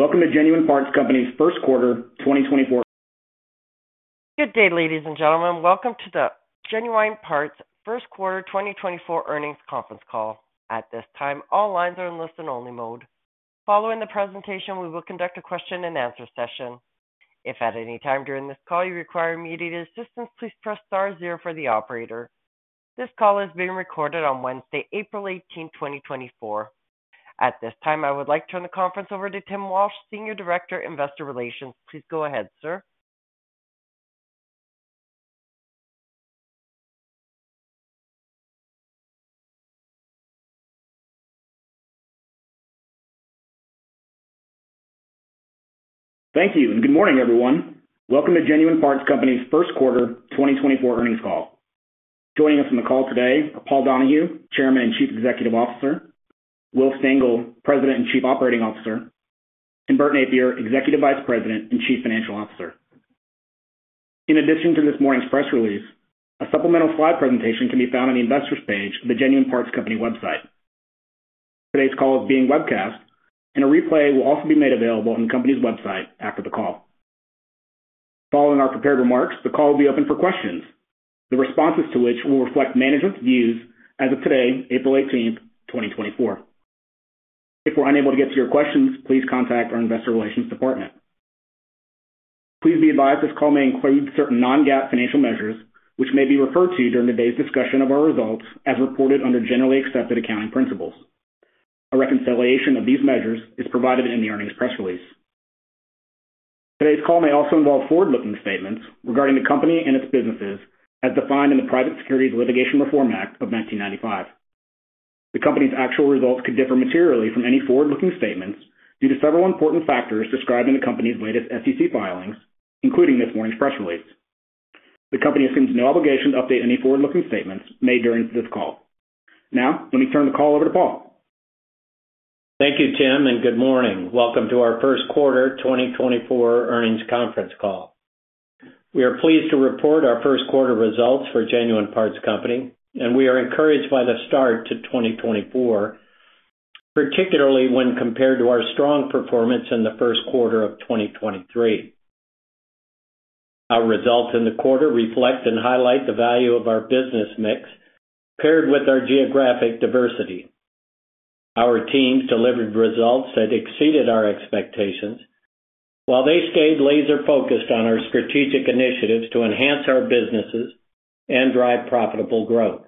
Welcome to Genuine Parts Company's first quarter, 2024. Good day, ladies and gentlemen. Welcome to the Genuine Parts first quarter 2024 earnings conference call. At this time, all lines are in listen-only mode. Following the presentation, we will conduct a question-and-answer session. If at any time during this call you require immediate assistance, please press star zero for the operator. This call is being recorded on Wednesday, April 18, 2024. At this time, I would like to turn the conference over to Tim Walsh, Senior Director, Investor Relations. Please go ahead, sir. Thank you, and good morning, everyone. Welcome to Genuine Parts Company's first quarter 2024 earnings call. Joining us on the call today are Paul Donahue, Chairman and Chief Executive Officer; Will Stengel, President and Chief Operating Officer; and Bert Nappier, Executive Vice President and Chief Financial Officer. In addition to this morning's press release, a supplemental slide presentation can be found on the Investors page of the Genuine Parts Company website. Today's call is being webcast, and a replay will also be made available on the company's website after the call. Following our prepared remarks, the call will be open for questions, the responses to which will reflect management's views as of today, April eighteenth, 2024. If we're unable to get to your questions, please contact our investor relations department. Please be advised, this call may include certain non-GAAP financial measures, which may be referred to during today's discussion of our results as reported under generally accepted accounting principles. A reconciliation of these measures is provided in the earnings press release. Today's call may also involve forward-looking statements regarding the company and its businesses as defined in the Private Securities Litigation Reform Act of 1995. The company's actual results could differ materially from any forward-looking statements due to several important factors described in the company's latest SEC filings, including this morning's press release. The company assumes no obligation to update any forward-looking statements made during this call. Now, let me turn the call over to Paul. Thank you, Tim, and good morning. Welcome to our first quarter 2024 earnings conference call. We are pleased to report our first quarter results for Genuine Parts Company, and we are encouraged by the start to 2024, particularly when compared to our strong performance in the first quarter of 2023. Our results in the quarter reflect and highlight the value of our business mix, paired with our geographic diversity. Our teams delivered results that exceeded our expectations, while they stayed laser-focused on our strategic initiatives to enhance our businesses and drive profitable growth.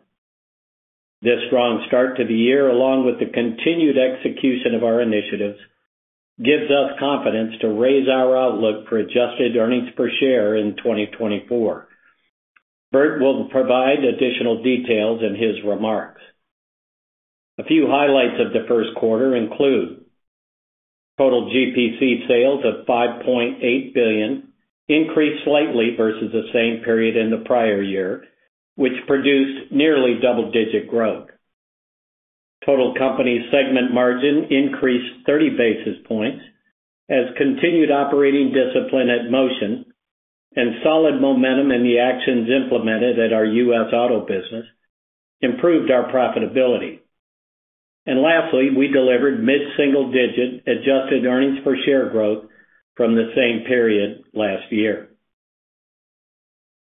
This strong start to the year, along with the continued execution of our initiatives, gives us confidence to raise our outlook for adjusted earnings per share in 2024. Bert will provide additional details in his remarks. A few highlights of the first quarter include: total GPC sales of $5.8 billion increased slightly versus the same period in the prior year, which produced nearly double-digit growth. Total company segment margin increased 30 basis points as continued operating discipline at Motion and solid momentum in the actions implemented at our U.S. Auto business improved our profitability. Lastly, we delivered mid-single-digit adjusted earnings per share growth from the same period last year.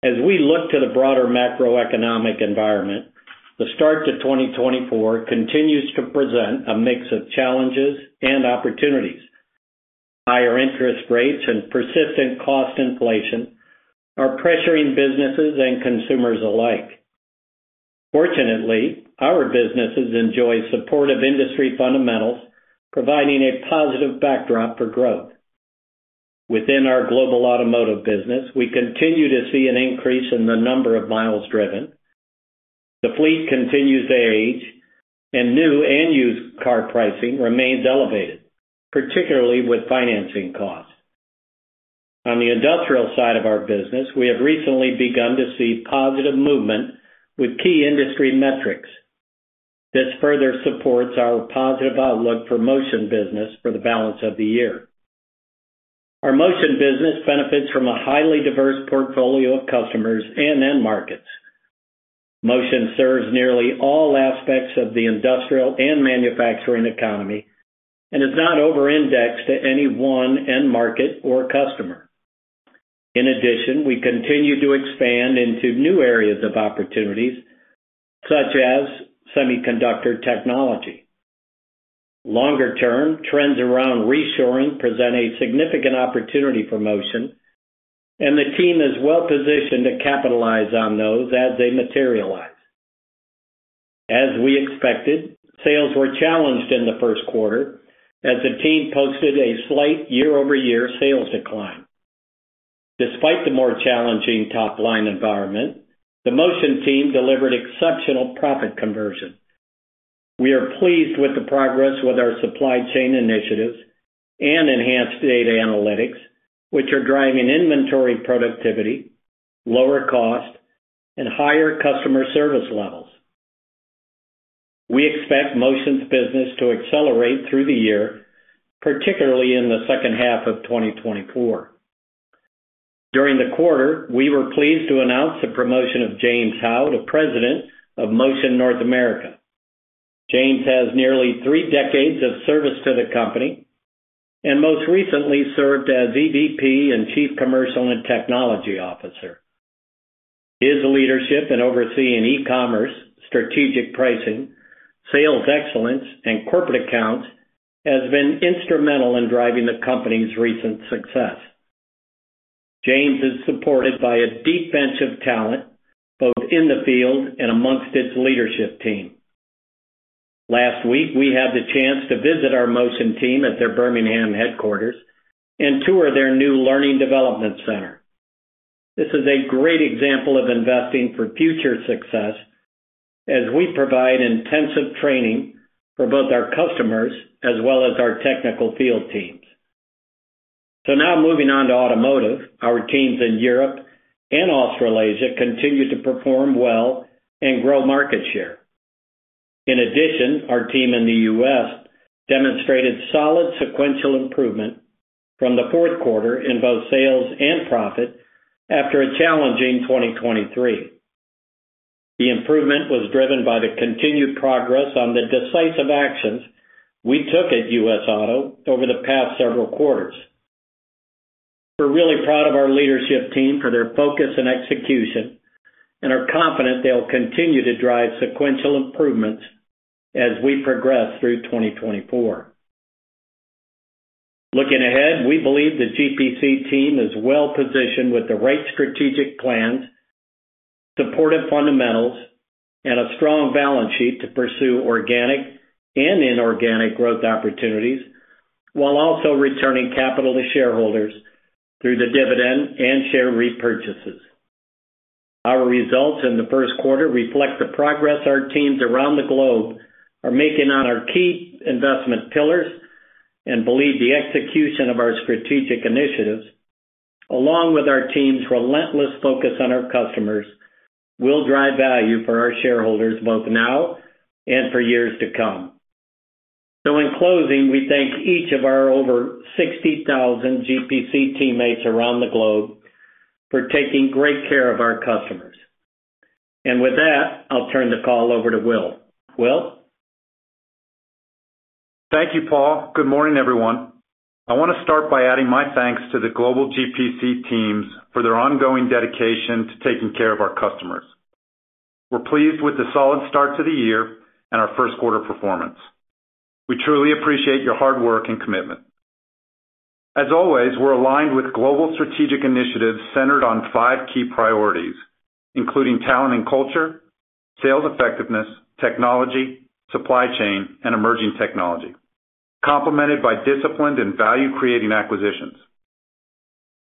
As we look to the broader macroeconomic environment, the start to 2024 continues to present a mix of challenges and opportunities. Higher interest rates and persistent cost inflation are pressuring businesses and consumers alike. Fortunately, our businesses enjoy supportive industry fundamentals, providing a positive backdrop for growth. Within our Global Automotive business, we continue to see an increase in the number of miles driven. The fleet continues to age, and new and used car pricing remains elevated, particularly with financing costs. On the industrial side of our business, we have recently begun to see positive movement with key industry metrics. This further supports our positive outlook for Motion business for the balance of the year. Our Motion business benefits from a highly diverse portfolio of customers and end markets. Motion serves nearly all aspects of the industrial and manufacturing economy and is not over-indexed to any one end market or customer. In addition, we continue to expand into new areas of opportunities, such as semiconductor technology. Longer-term, trends around reshoring present a significant opportunity for Motion, and the team is well positioned to capitalize on those as they materialize. As we expected, sales were challenged in the first quarter as the team posted a slight year-over-year sales decline. Despite the more challenging top-line environment, the Motion team delivered exceptional profit conversion. We are pleased with the progress with our supply chain initiatives and enhanced data analytics, which are driving inventory productivity, lower cost, and higher customer service levels. We expect Motion's business to accelerate through the year, particularly in the second half of 2024.... During the quarter, we were pleased to announce the promotion of James Howe to President of Motion North America. James has nearly three decades of service to the company, and most recently served as EVP and Chief Commercial and Technology Officer. His leadership in overseeing e-commerce, strategic pricing, sales excellence, and corporate accounts has been instrumental in driving the company's recent success. James is supported by a deep bench of talent, both in the field and amongst its leadership team. Last week, we had the chance to visit our Motion team at their Birmingham headquarters and tour their new Learning & Development Center. This is a great example of investing for future success as we provide intensive training for both our customers as well as our technical field teams. So now moving on to Automotive. Our teams in Europe and Australasia continue to perform well and grow market share. In addition, our team in the U.S. demonstrated solid sequential improvement from the fourth quarter in both sales and profit after a challenging 2023. The improvement was driven by the continued progress on the decisive actions we took at U.S. Auto over the past several quarters. We're really proud of our leadership team for their focus and execution, and are confident they'll continue to drive sequential improvements as we progress through 2024. Looking ahead, we believe the GPC team is well positioned with the right strategic plans, supportive fundamentals, and a strong balance sheet to pursue organic and inorganic growth opportunities, while also returning capital to shareholders through the dividend and share repurchases. Our results in the first quarter reflect the progress our teams around the globe are making on our key investment pillars, and believe the execution of our strategic initiatives, along with our team's relentless focus on our customers, will drive value for our shareholders, both now and for years to come. So in closing, we thank each of our over 60,000 GPC teammates around the globe for taking great care of our customers. And with that, I'll turn the call over to Will. Will? Thank you, Paul. Good morning, everyone. I want to start by adding my thanks to the global GPC teams for their ongoing dedication to taking care of our customers. We're pleased with the solid start to the year and our first quarter performance. We truly appreciate your hard work and commitment. As always, we're aligned with global strategic initiatives centered on five key priorities, including talent and culture, sales effectiveness, technology, supply chain, and emerging technology, complemented by disciplined and value-creating acquisitions.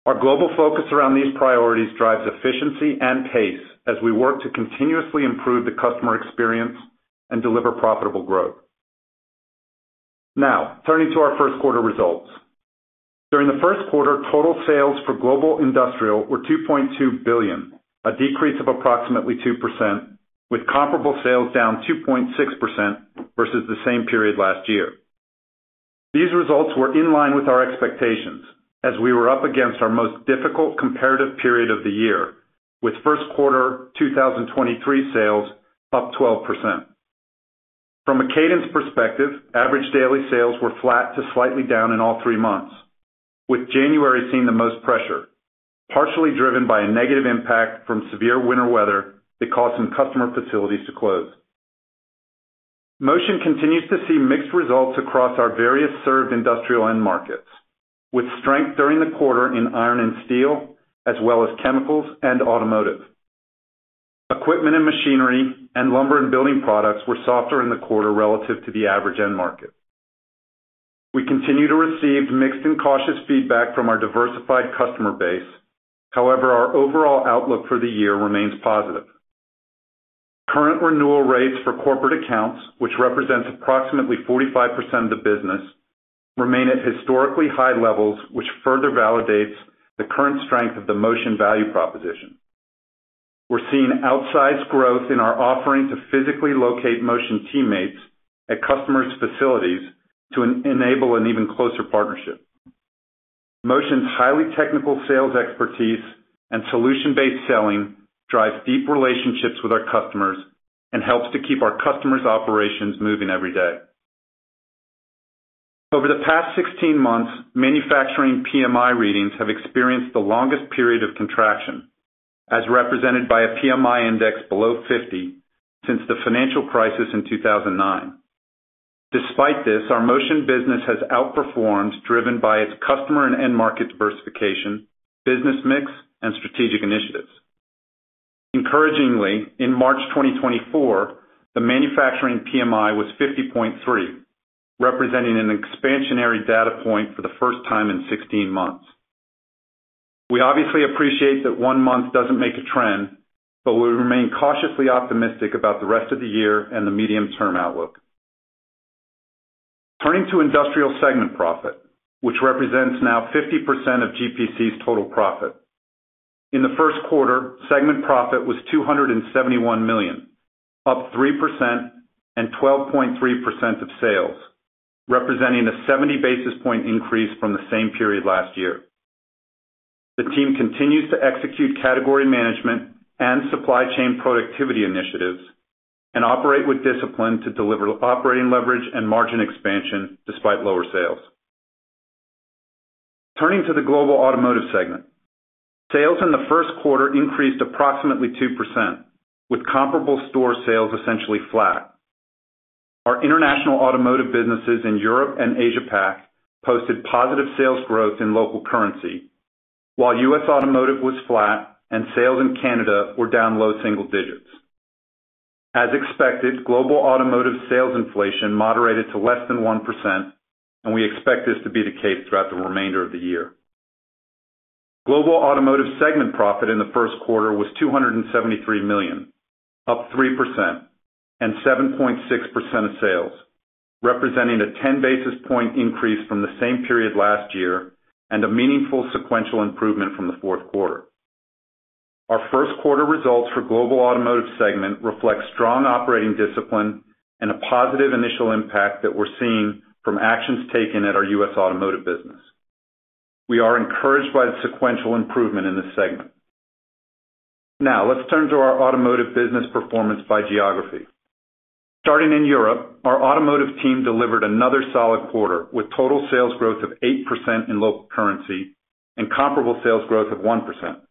Our global focus around these priorities drives efficiency and pace as we work to continuously improve the customer experience and deliver profitable growth. Now, turning to our first quarter results. During the first quarter, total sales for Global Industrial were $2.2 billion, a decrease of approximately 2%, with comparable sales down 2.6% versus the same period last year. These results were in line with our expectations, as we were up against our most difficult comparative period of the year, with first quarter 2023 sales up 12%. From a cadence perspective, average daily sales were flat to slightly down in all three months, with January seeing the most pressure, partially driven by a negative impact from severe winter weather that caused some customer facilities to close. Motion continues to see mixed results across our various served industrial end markets, with strength during the quarter in iron and steel, as well as chemicals and automotive. Equipment and machinery, and lumber and building products were softer in the quarter relative to the average end market. We continue to receive mixed and cautious feedback from our diversified customer base. However, our overall outlook for the year remains positive. Current renewal rates for corporate accounts, which represents approximately 45% of the business, remain at historically high levels, which further validates the current strength of the Motion value proposition. We're seeing outsized growth in our offering to physically locate Motion teammates at customers' facilities to enable an even closer partnership. Motion's highly technical sales expertise and solution-based selling drives deep relationships with our customers and helps to keep our customers' operations moving every day. Over the past 16 months, manufacturing PMI readings have experienced the longest period of contraction, as represented by a PMI index below 50, since the financial crisis in 2009. Despite this, our Motion business has outperformed, driven by its customer and end market diversification, business mix, and strategic initiatives. Encouragingly, in March 2024, the manufacturing PMI was 50.3, representing an expansionary data point for the first time in 16 months. We obviously appreciate that one month doesn't make a trend, but we remain cautiously optimistic about the rest of the year and the medium-term outlook. Turning to industrial segment profit, which now represents 50% of GPC's total profit. In the first quarter, segment profit was $271 million up 3% and 12.3% of sales, representing a 70 basis point increase from the same period last year. The team continues to execute category management and supply chain productivity initiatives, and operate with discipline to deliver operating leverage and margin expansion despite lower sales. Turning to the Global Automotive segment. Sales in the first quarter increased approximately 2%, with comparable store sales essentially flat. Our international automotive businesses in Europe and Asia-Pac posted positive sales growth in local currency, while U.S. Automotive was flat and sales in Canada were down low single digits. As expected, Global Automotive sales inflation moderated to less than 1%, and we expect this to be the case throughout the remainder of the year. Global automotive segment profit in the first quarter was $273 million, up 3% and 7.6% of sales, representing a 10 basis points increase from the same period last year, and a meaningful sequential improvement from the fourth quarter. Our first quarter results for Global Automotive segment reflect strong operating discipline and a positive initial impact that we're seeing from actions taken at our U.S. Automotive business. We are encouraged by the sequential improvement in this segment. Now, let's turn to our automotive business performance by geography. Starting in Europe, our automotive team delivered another solid quarter, with total sales growth of 8% in local currency and comparable sales growth of 1%.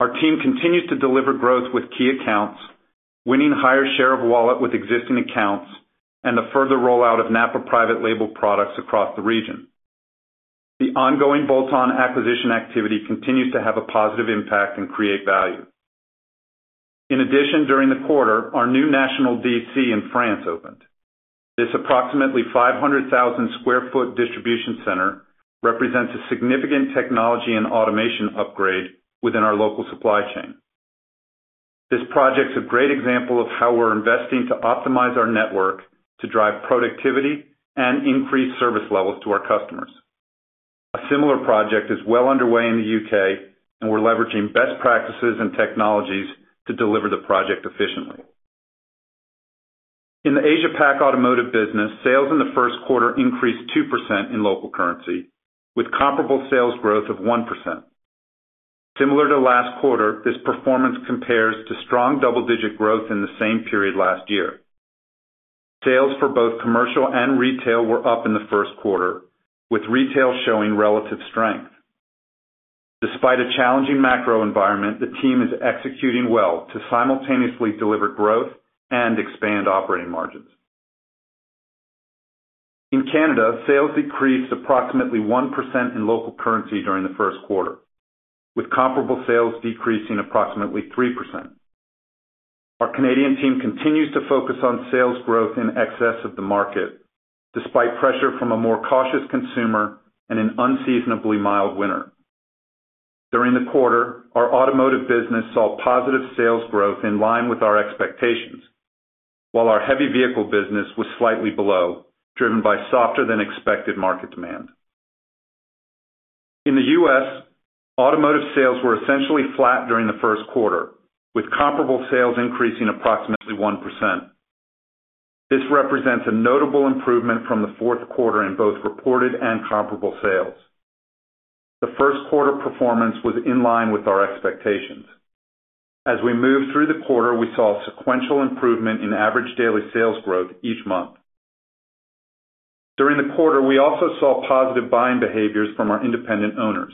Our team continues to deliver growth with key accounts, winning higher share of wallet with existing accounts, and the further rollout of NAPA private label products across the region. The ongoing bolt-on acquisition activity continues to have a positive impact and create value. In addition, during the quarter, our new national DC in France opened. This approximately 500,000 sq ft distribution center represents a significant technology and automation upgrade within our local supply chain. This project's a great example of how we're investing to optimize our network to drive productivity and increase service levels to our customers. A similar project is well underway in the UK, and we're leveraging best practices and technologies to deliver the project efficiently. In the Asia-Pac automotive business, sales in the first quarter increased 2% in local currency, with comparable sales growth of 1%. Similar to last quarter, this performance compares to strong double-digit growth in the same period last year. Sales for both commercial and retail were up in the first quarter, with retail showing relative strength. Despite a challenging macro environment, the team is executing well to simultaneously deliver growth and expand operating margins. In Canada, sales decreased approximately 1% in local currency during the first quarter, with comparable sales decreasing approximately 3%. Our Canadian team continues to focus on sales growth in excess of the market, despite pressure from a more cautious consumer and an unseasonably mild winter. During the quarter, our automotive business saw positive sales growth in line with our expectations, while our heavy vehicle business was slightly below, driven by softer than expected market demand. In the U.S., automotive sales were essentially flat during the first quarter, with comparable sales increasing approximately 1%. This represents a notable improvement from the fourth quarter in both reported and comparable sales. The first quarter performance was in line with our expectations. As we moved through the quarter, we saw a sequential improvement in average daily sales growth each month. During the quarter, we also saw positive buying behaviors from our independent owners,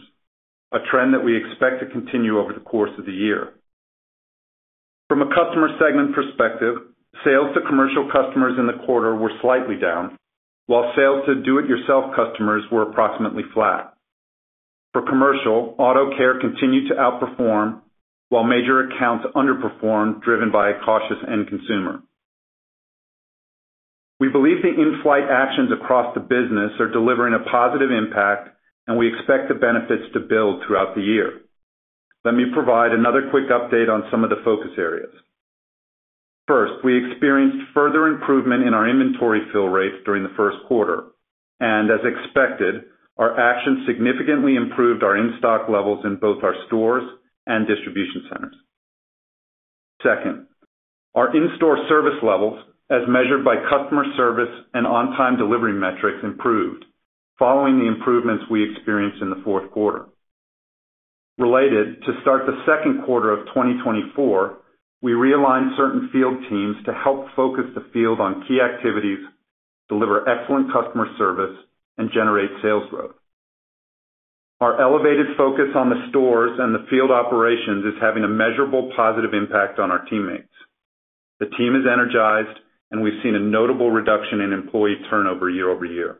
a trend that we expect to continue over the course of the year. From a customer segment perspective, sales to commercial customers in the quarter were slightly down, while sales to do-it-yourself customers were approximately flat. For commercial, AutoCare continued to outperform, Major Accounts underperformed, driven by a cautious end consumer. We believe the in-flight actions across the business are delivering a positive impact, and we expect the benefits to build throughout the year. Let me provide another quick update on some of the focus areas. First, we experienced further improvement in our inventory fill rates during the first quarter, and as expected, our actions significantly improved our in-stock levels in both our stores and distribution centers. Second, our in-store service levels, as measured by customer service and on-time delivery metrics, improved following the improvements we experienced in the fourth quarter. Related, to start the second quarter of 2024, we realigned certain field teams to help focus the field on key activities, deliver excellent customer service, and generate sales growth. Our elevated focus on the stores and the field operations is having a measurable positive impact on our teammates. The team is energized, and we've seen a notable reduction in employee turnover year-over-year.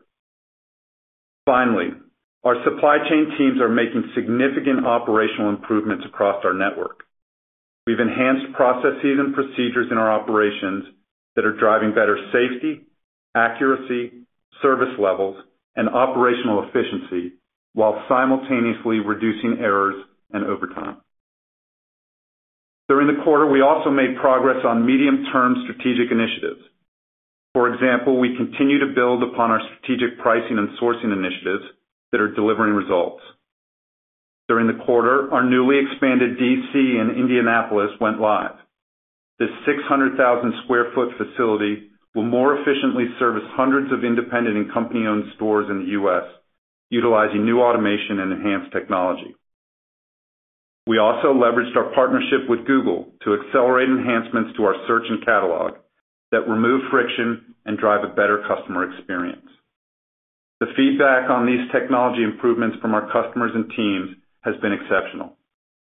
Finally, our supply chain teams are making significant operational improvements across our network. We've enhanced processes and procedures in our operations that are driving better safety, accuracy, service levels, and operational efficiency while simultaneously reducing errors and overtime. During the quarter, we also made progress on medium-term strategic initiatives. For example, we continue to build upon our strategic pricing and sourcing initiatives that are delivering results.... During the quarter, our newly expanded DC in Indianapolis went live. This 600,000 sq ft facility will more efficiently service hundreds of independent and company-owned stores in the U.S., utilizing new automation and enhanced technology. We also leveraged our partnership with Google to accelerate enhancements to our search and catalog that remove friction and drive a better customer experience. The feedback on these technology improvements from our customers and teams has been exceptional,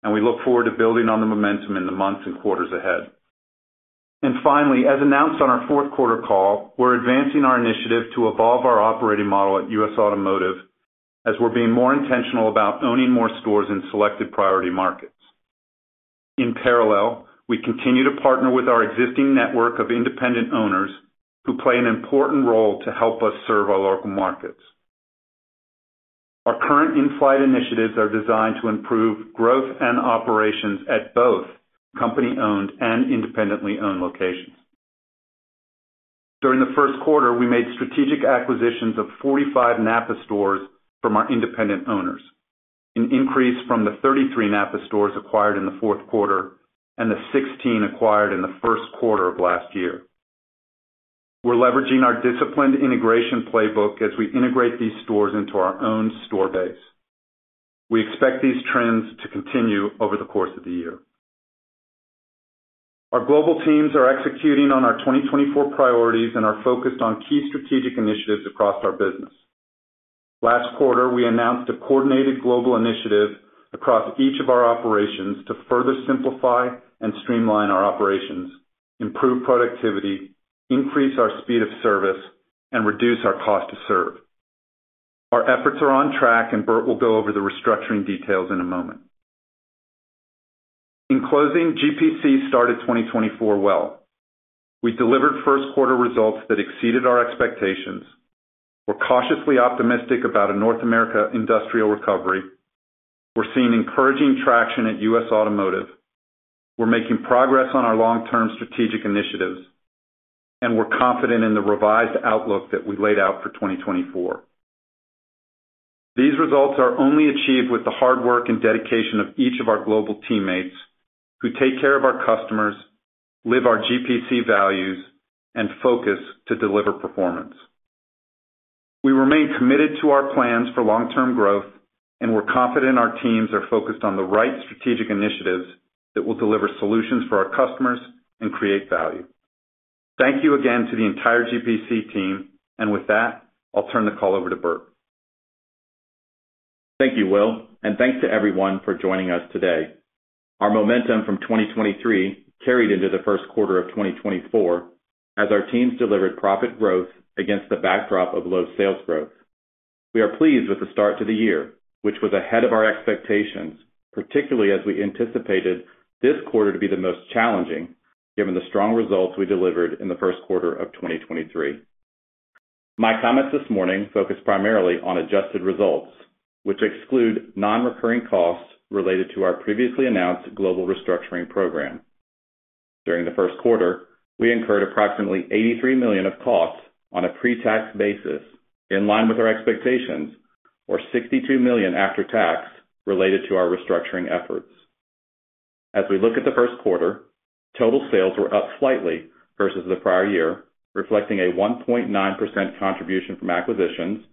and we look forward to building on the momentum in the months and quarters ahead. And finally, as announced on our fourth quarter call, we're advancing our initiative to evolve our operating model at U.S. Automotive as we're being more intentional about owning more stores in selected priority markets. In parallel, we continue to partner with our existing network of independent owners, who play an important role to help us serve our local markets. Our current in-flight initiatives are designed to improve growth and operations at both company-owned and independently owned locations. During the first quarter, we made strategic acquisitions of 45 NAPA stores from our independent owners, an increase from the 33 NAPA stores acquired in the fourth quarter and the 16 acquired in the first quarter of last year. We're leveraging our disciplined integration playbook as we integrate these stores into our own store base. We expect these trends to continue over the course of the year. Our global teams are executing on our 2024 priorities and are focused on key strategic initiatives across our business. Last quarter, we announced a coordinated global initiative across each of our operations to further simplify and streamline our operations, improve productivity, increase our speed of service, and reduce our cost to serve. Our efforts are on track, and Bert will go over the restructuring details in a moment. In closing, GPC started 2024 well. We delivered first quarter results that exceeded our expectations. We're cautiously optimistic about a North America industrial recovery. We're seeing encouraging traction at U.S. Automotive. We're making progress on our long-term strategic initiatives, and we're confident in the revised outlook that we laid out for 2024. These results are only achieved with the hard work and dedication of each of our global teammates, who take care of our customers, live our GPC values, and focus to deliver performance. We remain committed to our plans for long-term growth, and we're confident our teams are focused on the right strategic initiatives that will deliver solutions for our customers and create value. Thank you again to the entire GPC team, and with that, I'll turn the call over to Bert. Thank you, Will, and thanks to everyone for joining us today. Our momentum from 2023 carried into the first quarter of 2024, as our teams delivered profit growth against the backdrop of low sales growth. We are pleased with the start to the year, which was ahead of our expectations, particularly as we anticipated this quarter to be the most challenging, given the strong results we delivered in the first quarter of 2023. My comments this morning focus primarily on adjusted results, which exclude non-recurring costs related to our previously announced global restructuring program. During the first quarter, we incurred approximately $83 million of costs on a pre-tax basis, in line with our expectations, or $62 million after tax, related to our restructuring efforts. As we look at the first quarter, total sales were up slightly versus the prior year, reflecting a 1.9% contribution from acquisitions,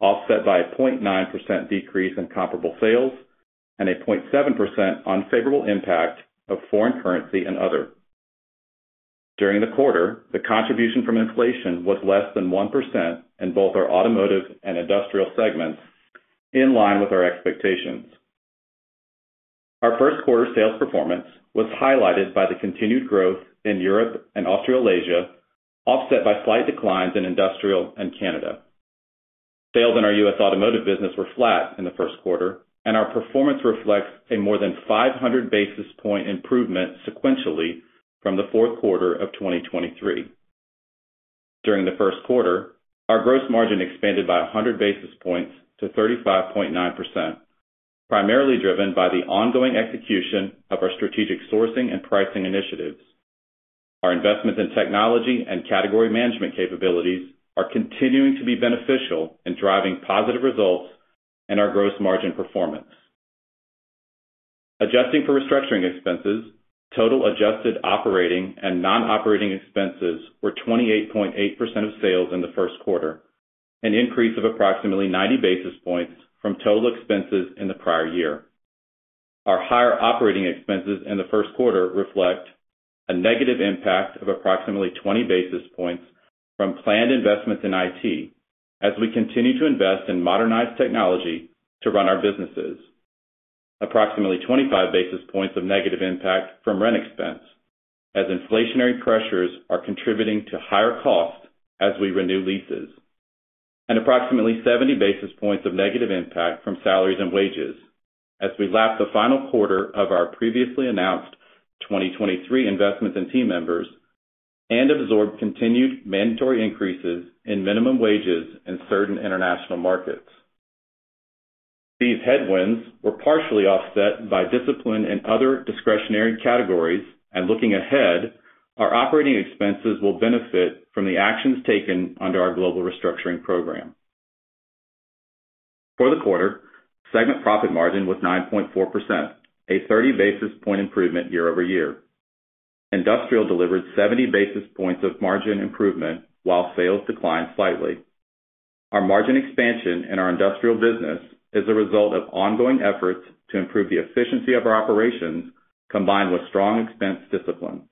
offset by a 0.9% decrease in comparable sales and a 0.7% unfavorable impact of foreign currency and other. During the quarter, the contribution from inflation was less than 1% in both our automotive and industrial segments, in line with our expectations. Our first quarter sales performance was highlighted by the continued growth in Europe and Australasia, offset by slight declines in industrial and Canada. Sales in our U.S. Automotive business were flat in the first quarter, and our performance reflects a more than 500 basis point improvement sequentially from the fourth quarter of 2023. During the first quarter, our gross margin expanded by 100 basis points to 35.9%, primarily driven by the ongoing execution of our strategic sourcing and pricing initiatives. Our investments in technology and category management capabilities are continuing to be beneficial in driving positive results and our gross margin performance. Adjusting for restructuring expenses, total adjusted operating and non-operating expenses were 28.8% of sales in the first quarter, an increase of approximately 90 basis points from total expenses in the prior year. Our higher operating expenses in the first quarter reflect a negative impact of approximately 20 basis points from planned investments in IT, as we continue to invest in modernized technology to run our businesses. Approximately 25 basis points of negative impact from rent expense, as inflationary pressures are contributing to higher costs as we renew leases. Approximately 70 basis points of negative impact from salaries and wages as we lap the final quarter of our previously announced 2023 investments in team members and absorb continued mandatory increases in minimum wages in certain international markets. These headwinds were partially offset by discipline in other discretionary categories, and looking ahead, our operating expenses will benefit from the actions taken under our global restructuring program. For the quarter, segment profit margin was 9.4%, a 30 basis point improvement year-over-year. Industrial delivered 70 basis points of margin improvement, while sales declined slightly. Our margin expansion in our industrial business is a result of ongoing efforts to improve the efficiency of our operations, combined with strong expense discipline.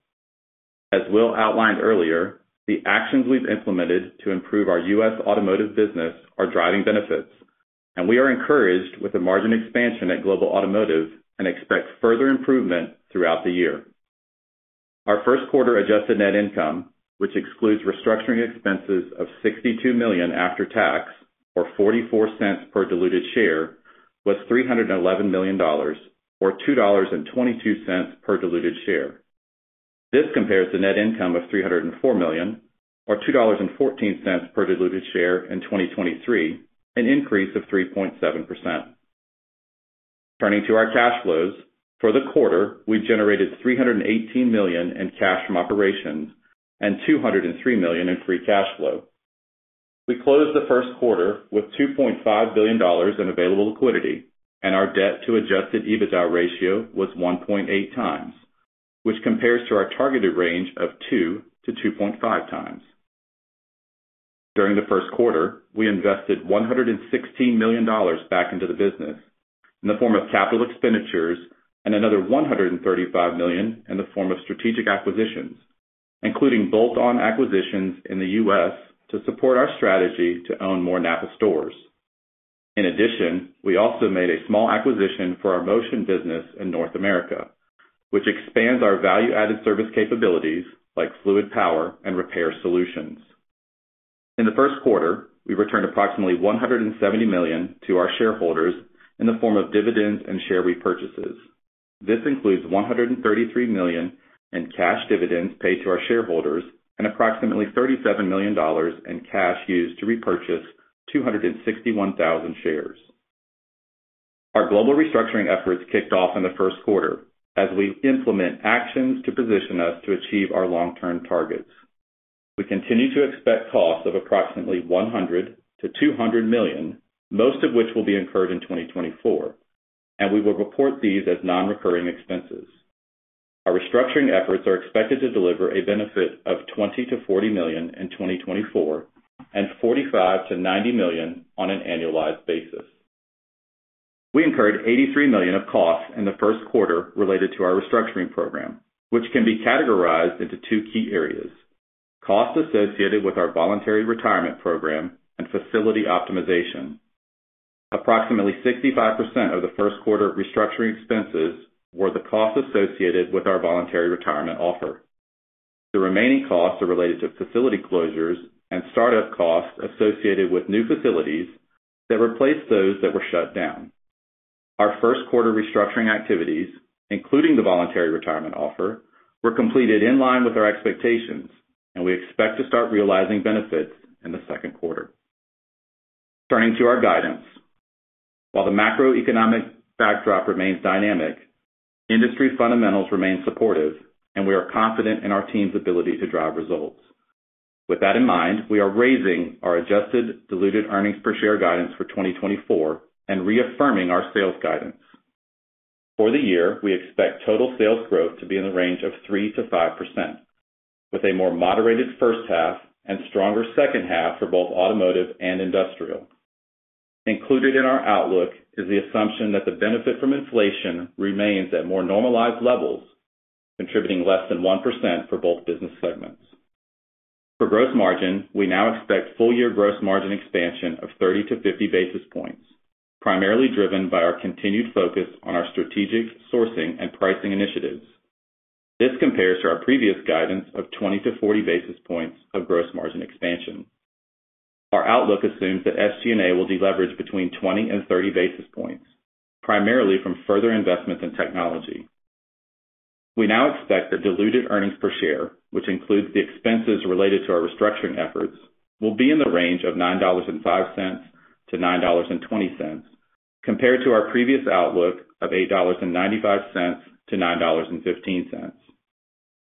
As Will outlined earlier, the actions we've implemented to improve our U.S. automotive business are driving benefits, and we are encouraged with the margin expansion at Global Automotive and expect further improvement throughout the year. Our first quarter adjusted net income, which excludes restructuring expenses of $62 million after tax, or $0.44 per diluted share, was $311 million, or $2.22 per diluted share. This compares to net income of $304 million, or $2.14 per diluted share in 2023, an increase of 3.7%. Turning to our cash flows. For the quarter, we've generated $318 million in cash from operations and $203 million in free cash flow. We closed the first quarter with $2.5 billion in available liquidity, and our debt to Adjusted EBITDA ratio was 1.8 times, which compares to our targeted range of 2-2.5 times. During the first quarter, we invested $116 million back into the business in the form of capital expenditures and another $135 million in the form of strategic acquisitions, including bolt-on acquisitions in the U.S. to support our strategy to own more NAPA stores. In addition, we also made a small acquisition for our Motion business in North America, which expands our value-added service capabilities like fluid power and repair solutions. In the first quarter, we returned approximately $170 million to our shareholders in the form of dividends and share repurchases. This includes $133 million in cash dividends paid to our shareholders and approximately $37 million in cash used to repurchase 261,000 shares. Our global restructuring efforts kicked off in the first quarter as we implement actions to position us to achieve our long-term targets. We continue to expect costs of approximately $100 million-$200 million, most of which will be incurred in 2024, and we will report these as non-recurring expenses. Our restructuring efforts are expected to deliver a benefit of $20 million-$40 million in 2024 and $45 million-$90 million on an annualized basis. We incurred $83 million of costs in the first quarter related to our restructuring program, which can be categorized into two key areas: costs associated with our voluntary retirement program and facility optimization. Approximately 65% of the first quarter restructuring expenses were the costs associated with our voluntary retirement offer. The remaining costs are related to facility closures and startup costs associated with new facilities that replaced those that were shut down. Our first quarter restructuring activities, including the voluntary retirement offer, were completed in line with our expectations, and we expect to start realizing benefits in the second quarter. Turning to our guidance. While the macroeconomic backdrop remains dynamic, industry fundamentals remain supportive, and we are confident in our team's ability to drive results. With that in mind, we are raising our Adjusted Diluted Earnings Per Share guidance for 2024 and reaffirming our sales guidance. For the year, we expect total sales growth to be in the range of 3%-5%, with a more moderated first half and stronger second half for both automotive and industrial. Included in our outlook is the assumption that the benefit from inflation remains at more normalized levels, contributing less than 1% for both business segments. For gross margin, we now expect full year gross margin expansion of 30-50 basis points, primarily driven by our continued focus on our strategic sourcing and pricing initiatives. This compares to our previous guidance of 20-40 basis points of gross margin expansion. Our outlook assumes that SG&A will deleverage between 20-30 basis points, primarily from further investments in technology. We now expect that diluted earnings per share, which includes the expenses related to our restructuring efforts, will be in the range of $9.05-$9.20, compared to our previous outlook of $8.95-$9.15.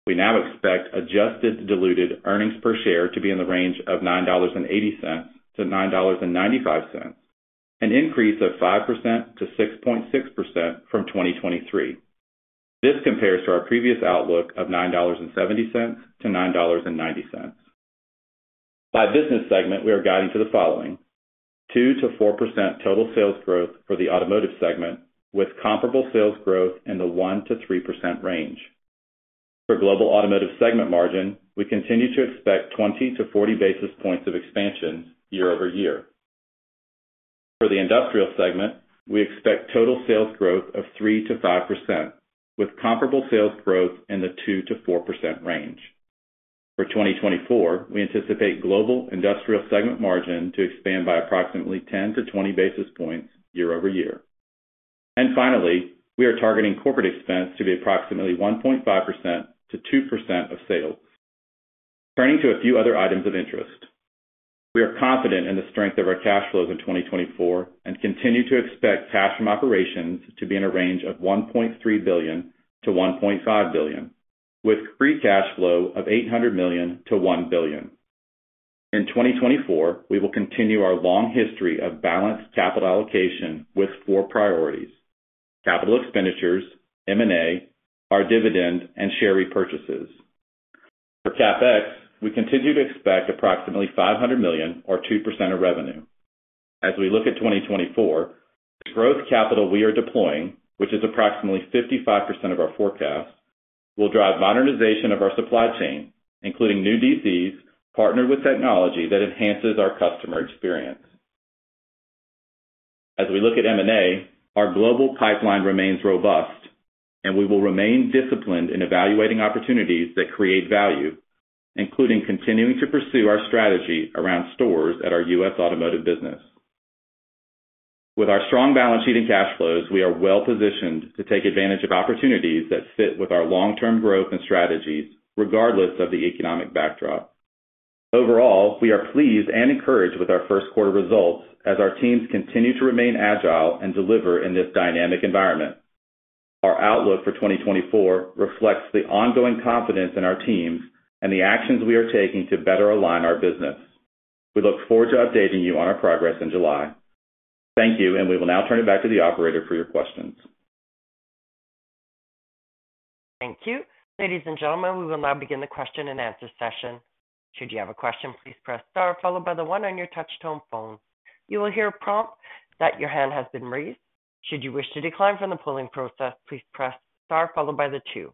We now expect adjusted diluted earnings per share to be in the range of $9.80-$9.95, an increase of 5%-6.6% from 2023. This compares to our previous outlook of $9.70-$9.90. By business segment, we are guiding to the following: 2%-4% total sales growth for the automotive segment, with comparable sales growth in the 1%-3% range. For Global Automotive segment margin, we continue to expect 20-40 basis points of expansion year-over-year. For the industrial segment, we expect total sales growth of 3%-5%, with comparable sales growth in the 2%-4% range. For 2024, we anticipate Global Industrial segment margin to expand by approximately 10-20 basis points year-over-year. Finally, we are targeting corporate expense to be approximately 1.5%-2% of sales. Turning to a few other items of interest. We are confident in the strength of our cash flows in 2024 and continue to expect cash from operations to be in a range of $1.3 billion-$1.5 billion, with free cash flow of $800 million-$1 billion. In 2024, we will continue our long history of balanced capital allocation with four priorities: capital expenditures, M&A, our dividend, and share repurchases. For CapEx, we continue to expect approximately $500 million or 2% of revenue. As we look at 2024, the growth capital we are deploying, which is approximately 55% of our forecast, will drive modernization of our supply chain, including new DCs, partnered with technology that enhances our customer experience. As we look at M&A, our global pipeline remains robust, and we will remain disciplined in evaluating opportunities that create value, including continuing to pursue our strategy around stores at our U.S. automotive business. With our strong balance sheet and cash flows, we are well positioned to take advantage of opportunities that fit with our long-term growth and strategies, regardless of the economic backdrop. Overall, we are pleased and encouraged with our first quarter results as our teams continue to remain agile and deliver in this dynamic environment. Our outlook for 2024 reflects the ongoing confidence in our teams and the actions we are taking to better align our business. We look forward to updating you on our progress in July. Thank you, and we will now turn it back to the operator for your questions. Thank you. Ladies and gentlemen, we will now begin the question and answer session. Should you have a question, please press star followed by the one on your touch tone phone. You will hear a prompt that your hand has been raised. Should you wish to decline from the polling process, please press star followed by the two.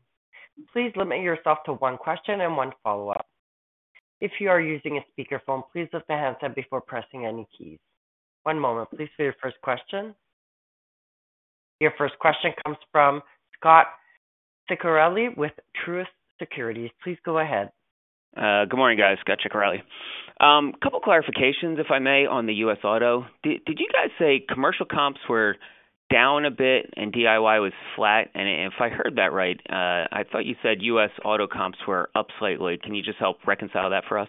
Please limit yourself to one question and one follow-up. If you are using a speakerphone, please lift the handset before pressing any keys. One moment, please, for your first question. Your first question comes from Scott Ciccarelli with Truist Securities. Please go ahead. Good morning, guys. Scott Ciccarelli. A couple clarifications, if I may, on the U.S. Auto. Did you guys say commercial comps were down a bit and DIY was flat? And if I heard that right, I thought you said U.S. Auto comps were up slightly. Can you just help reconcile that for us?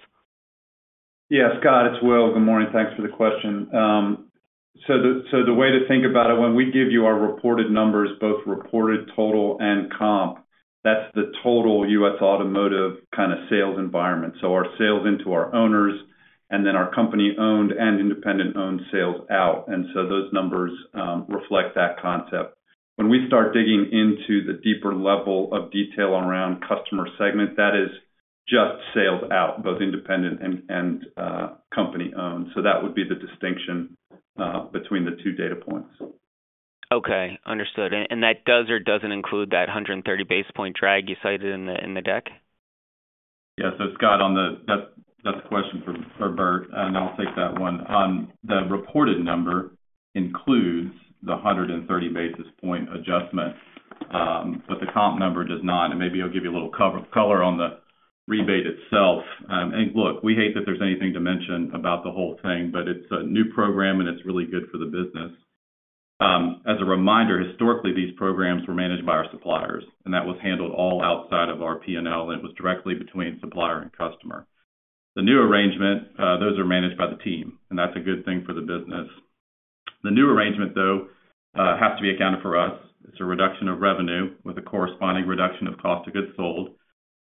Yeah, Scott, it's Will. Good morning. Thanks for the question. So the way to think about it, when we give you our reported numbers, both reported total and comp, that's the total U.S. automotive kind of sales environment. So our sales into our owners and then our company-owned and independent-owned sales out, and so those numbers reflect that concept. When we start digging into the deeper level of detail around customer segment, that is just sales out, both independent and company-owned. So that would be the distinction between the two data points. Okay, understood. And that does or doesn't include that 130 basis point drag you cited in the deck? Yes. So Scott, on that, that's a question for Bert, and I'll take that one. The reported number includes the 130 basis point adjustment, but the comp number does not. Maybe I'll give you a little color on the rebate itself. And look, we hate that there's anything to mention about the whole thing, but it's a new program, and it's really good for the business. As a reminder, historically, these programs were managed by our suppliers, and that was handled all outside of our P&L, and it was directly between supplier and customer. The new arrangement, those are managed by the team, and that's a good thing for the business. The new arrangement, though, has to be accounted for us. It's a reduction of revenue with a corresponding reduction of cost of goods sold,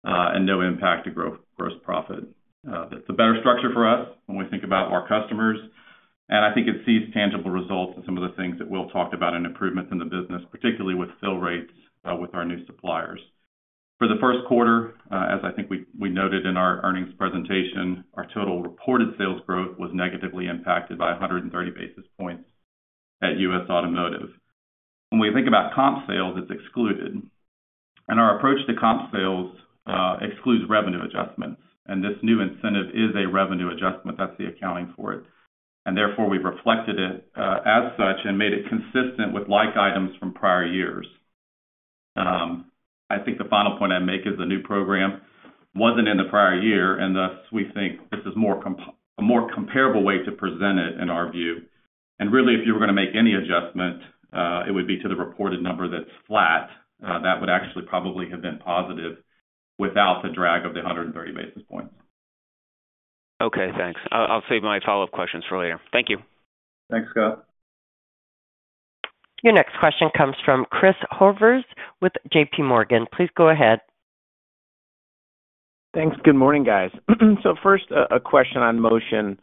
and no impact to gross profit. It's a better structure for us when we think about our customers, and I think it sees tangible results in some of the things that we'll talk about in improvements in the business, particularly with fill rates, with our new suppliers. For the first quarter, as I think we noted in our earnings presentation, our total reported sales growth was negatively impacted by 100 basis points at U.S. Automotive. When we think about comp sales, it's excluded. And our approach to comp sales, excludes revenue adjustments, and this new incentive is a revenue adjustment. That's the accounting for it. And therefore, we've reflected it, as such and made it consistent with like items from prior years. I think the final point I'd make is the new program wasn't in the prior year, and thus, we think this is a more comparable way to present it in our view. And really, if you were gonna make any adjustment, it would be to the reported number that's flat. That would actually probably have been positive without the drag of the 130 basis points. Okay, thanks. I'll save my follow-up questions for later. Thank you. Thanks, Scott. Your next question comes from Chris Horvers with J.P. Morgan. Please go ahead. Thanks. Good morning, guys. So first, a question on Motion.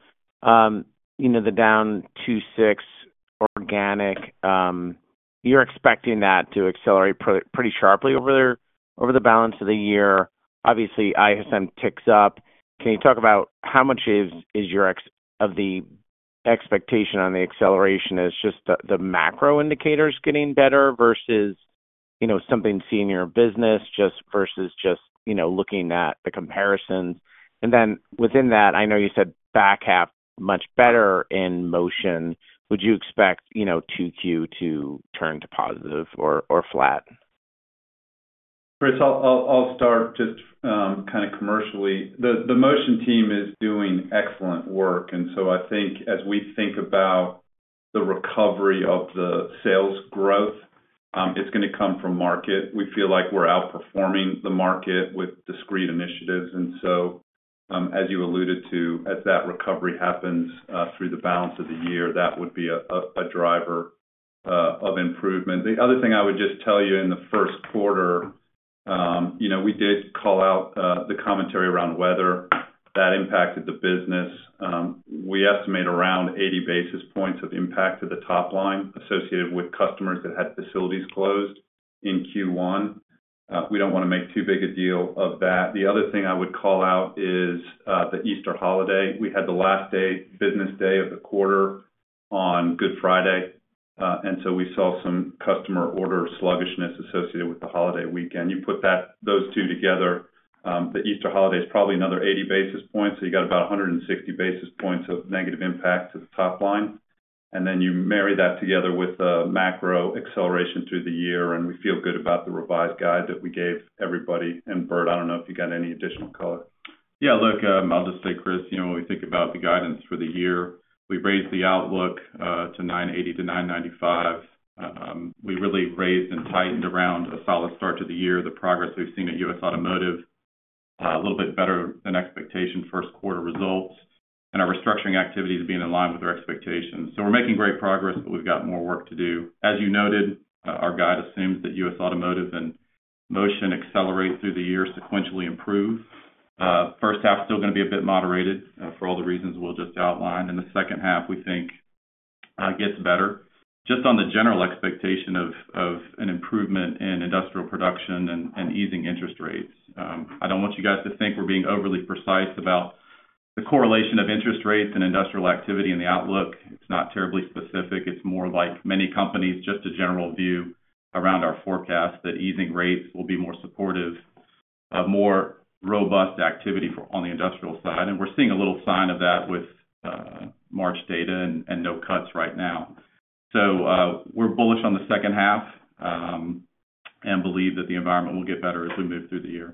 You know, the down 2.6 organic, you're expecting that to accelerate pretty sharply over the, over the balance of the year. Obviously, ISM ticks up. Can you talk about how much of your expectation on the acceleration is just the, the macro indicators getting better versus, you know, something you're seeing in your business, just versus just, you know, looking at the comparisons? And then within that, I know you said back half, much better in Motion. Would you expect, you know, 2Q to turn to positive or, or flat? Chris, I'll start just kind of commercially. The Motion team is doing excellent work, and so I think as we think about-... the recovery of the sales growth, it's gonna come from market. We feel like we're outperforming the market with discrete initiatives, and so, as you alluded to, as that recovery happens, through the balance of the year, that would be a driver of improvement. The other thing I would just tell you, in the first quarter, you know, we did call out the commentary around weather that impacted the business. We estimate around 80 basis points of impact to the top line associated with customers that had facilities closed in Q1. We don't wanna make too big a deal of that. The other thing I would call out is the Easter holiday. We had the last day, business day of the quarter on Good Friday, and so we saw some customer order sluggishness associated with the holiday weekend. You put those two together, the Easter holiday is probably another 80 basis points, so you got about 160 basis points of negative impact to the top line. And then you marry that together with the macro acceleration through the year, and we feel good about the revised guide that we gave everybody. And Bert, I don't know if you got any additional color. Yeah, look, I'll just say, Chris, you know, when we think about the guidance for the year, we've raised the outlook to $9.80-$9.95. We really raised and tightened around a solid start to the year, the progress we've seen at U.S. Automotive, a little bit better than expectation first quarter results, and our restructuring activities being in line with our expectations. So we're making great progress, but we've got more work to do. As you noted, our guide assumes that U.S. Automotive and Motion accelerate through the year, sequentially improve. First half, still gonna be a bit moderated, for all the reasons we'll just outlined. In the second half, we think it gets better, just on the general expectation of an improvement in industrial production and easing interest rates. I don't want you guys to think we're being overly precise about the correlation of interest rates and industrial activity in the outlook. It's not terribly specific. It's more like many companies, just a general view around our forecast, that easing rates will be more supportive of more robust activity for, on the industrial side. And we're seeing a little sign of that with March data and no cuts right now. So, we're bullish on the second half, and believe that the environment will get better as we move through the year.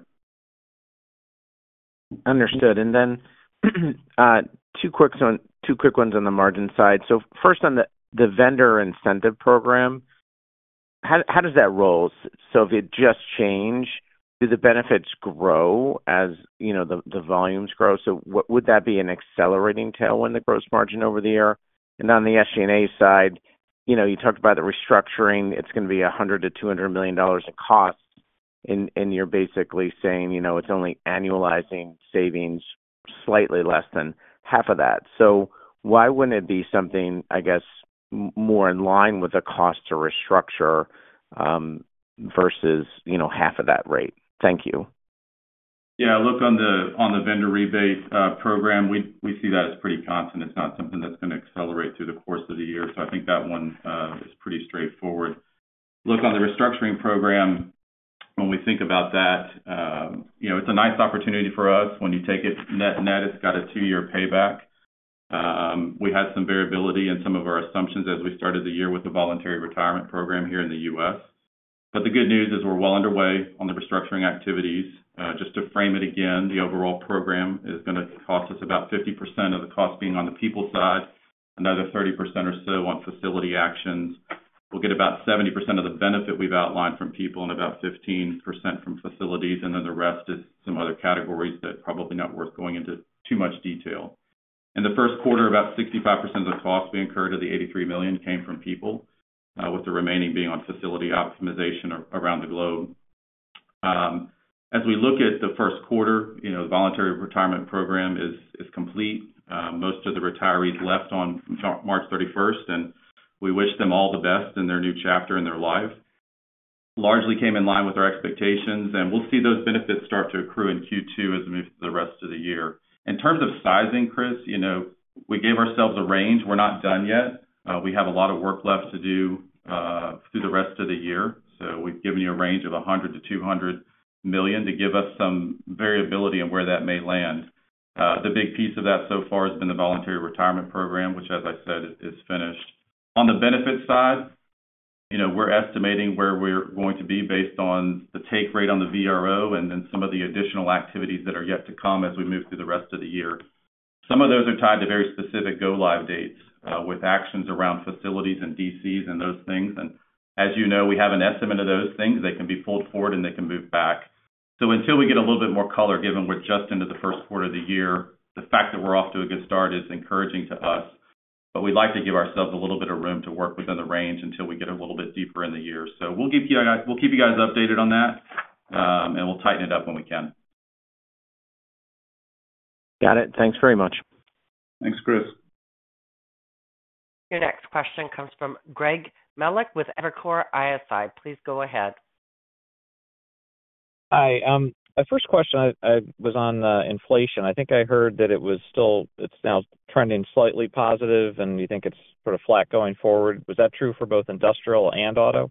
Understood. And then, two quick ones on the margin side. So first, on the vendor incentive program, how does that roll? So if it just change, do the benefits grow as, you know, the volumes grow? So what would that be an accelerating tailwind, the gross margin over the year? And on the SG&A side, you know, you talked about the restructuring. It's gonna be $100 million-$200 million in costs, and you're basically saying, you know, it's only annualizing savings, slightly less than half of that. So why wouldn't it be something, I guess, more in line with the cost to restructure, versus, you know, half of that rate? Thank you. Yeah, look, on the, on the vendor rebate program, we, we see that as pretty constant. It's not something that's gonna accelerate through the course of the year, so I think that one is pretty straightforward. Look, on the restructuring program, when we think about that, you know, it's a nice opportunity for us. When you take it net net, it's got a two-year payback. We had some variability in some of our assumptions as we started the year with the voluntary retirement program here in the U.S. But the good news is we're well underway on the restructuring activities. Just to frame it again, the overall program is gonna cost us about 50% of the cost being on the people side, another 30% or so on facility actions. We'll get about 70% of the benefit we've outlined from people and about 15% from facilities, and then the rest is some other categories that probably not worth going into too much detail. In the first quarter, about 65% of the costs we incurred of the $83 million came from people, with the remaining being on facility optimization around the globe. As we look at the first quarter, you know, the voluntary retirement program is complete. Most of the retirees left on March 31, and we wish them all the best in their new chapter in their life. Largely came in line with our expectations, and we'll see those benefits start to accrue in Q2 as we move through the rest of the year. In terms of sizing, Chris, you know, we gave ourselves a range. We're not done yet. We have a lot of work left to do through the rest of the year. So we've given you a range of $100 million-$200 million to give us some variability on where that may land. The big piece of that so far has been the voluntary retirement program, which, as I said, is finished. On the benefit side, you know, we're estimating where we're going to be based on the take rate on the VRO and then some of the additional activities that are yet to come as we move through the rest of the year. Some of those are tied to very specific go-live dates with actions around facilities and DCs and those things. And as you know, we have an estimate of those things. They can be pulled forward, and they can move back. So until we get a little bit more color, given we're just into the first quarter of the year, the fact that we're off to a good start is encouraging to us, but we'd like to give ourselves a little bit of room to work within the range until we get a little bit deeper in the year. So we'll give you guys, we'll keep you guys updated on that, and we'll tighten it up when we can. Got it. Thanks very much. Thanks, Chris. Your next question comes from Greg Melich with Evercore ISI. Please go ahead. Hi, my first question was on inflation. I think I heard that it was still, it's now trending slightly positive, and you think it's sort of flat going forward. Was that true for both industrial and auto?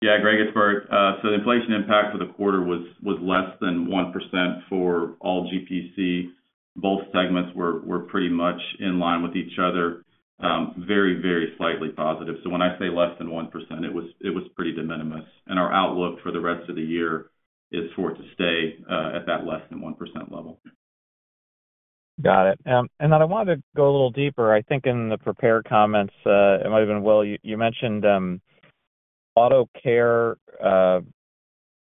Yeah, Greg, it's Bert. So the inflation impact for the quarter was less than 1% for all GPC. Both segments were pretty much in line with each other. Very, very slightly positive. So when I say less than 1%, it was pretty de minimis, and our outlook for the rest of the year is for it to stay at that less than 1% level. Got it. And then I wanted to go a little deeper. I think in the prepared comments, it might have been Will, you mentioned, AutoCare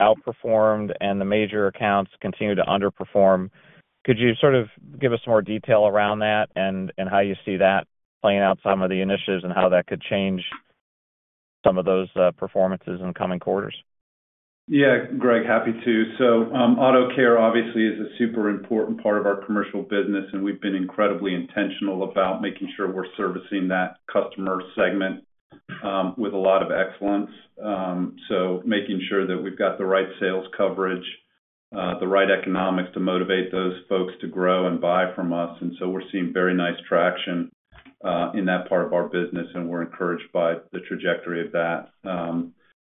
outperformed and major accounts continued to underperform. Could you sort of give us some more detail around that and how you see that playing out some of the initiatives, and how that could change some of those performances in the coming quarters? Yeah, Greg, happy to. So, AutoCare, obviously, is a super important part of our commercial business, and we've been incredibly intentional about making sure we're servicing that customer segment with a lot of excellence. So making sure that we've got the right sales coverage, the right economics to motivate those folks to grow and buy from us. And so we're seeing very nice traction in that part of our business, and we're encouraged by the trajectory of that.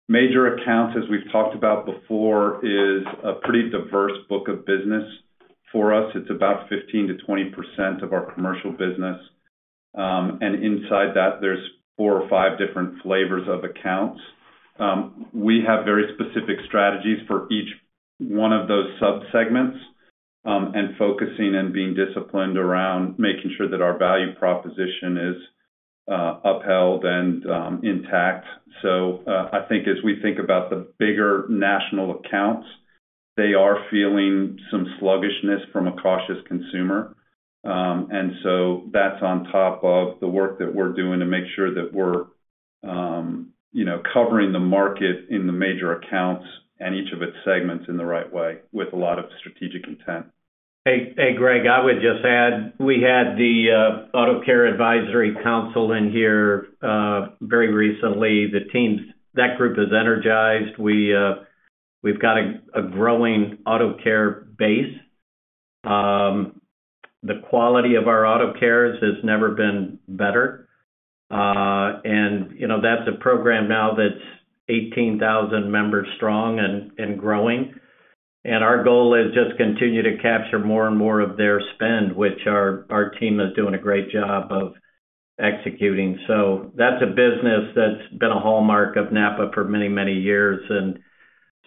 Major accounts, as we've talked about before, is a pretty diverse book of business. For us, it's about 15%-20% of our commercial business. And inside that, there's four or five different flavors of accounts. We have very specific strategies for each one of those subsegments, and focusing and being disciplined around making sure that our value proposition is upheld and intact. So, I think as we think about the bigger national accounts, they are feeling some sluggishness from a cautious consumer. And so that's on top of the work that we're doing to make sure that we're, you know, covering the market in major accounts and each of its segments in the right way with a lot of strategic intent. Hey, hey, Greg, I would just add, we had the AutoCare Advisory Council in here very recently. That group is energized. We, we've got a growing AutoCare base. The quality of our AutoCares has never been better. And, you know, that's a program now that's 18,000 members strong and growing. And our goal is just continue to capture more and more of their spend, which our team is doing a great job of executing. So that's a business that's been a hallmark of NAPA for many, many years, and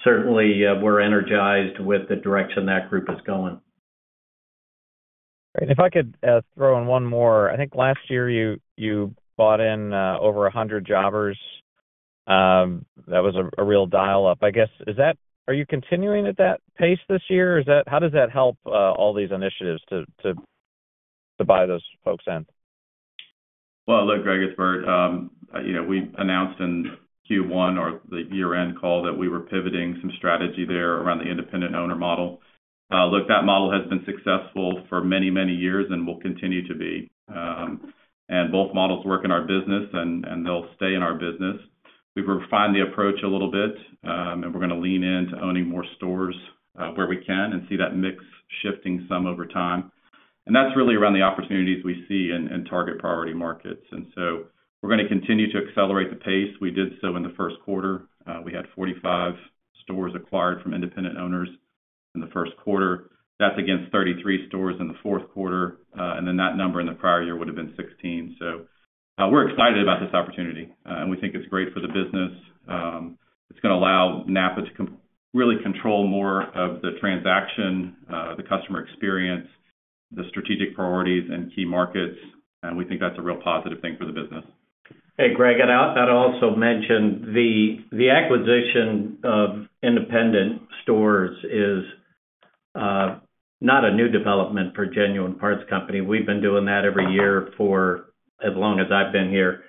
certainly, we're energized with the direction that group is going. If I could, throw in one more. I think last year you bought in, over 100 jobbers. That was a real dial-up. I guess, is that-- are you continuing at that pace this year? Is that-- How does that help, all these initiatives to buy those folks in? Well, look, Greg, it's Bert. You know, we announced in Q1 or the year-end call that we were pivoting some strategy there around the independent owner model. Look, that model has been successful for many, many years and will continue to be. Both models work in our business and, and they'll stay in our business. We've refined the approach a little bit, and we're going to lean in to owning more stores, where we can and see that mix shifting some over time. That's really around the opportunities we see in, in target priority markets. So we're gonna continue to accelerate the pace. We did so in the first quarter. We had 45 stores acquired from independent owners in the first quarter. That's against 33 stores in the fourth quarter, and then that number in the prior year would have been 16. So, we're excited about this opportunity, and we think it's great for the business. It's gonna allow NAPA to really control more of the transaction, the customer experience, the strategic priorities and key markets, and we think that's a real positive thing for the business. Hey, Greg, I'd also mention the acquisition of independent stores is not a new development for Genuine Parts Company. We've been doing that every year for as long as I've been here.